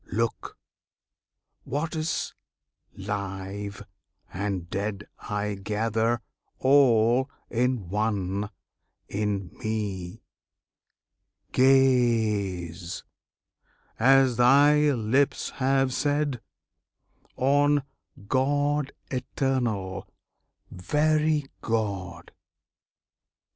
Look! what is live and dead I gather all in one in Me! Gaze, as thy lips have said, On GOD ETERNAL, VERY GOD!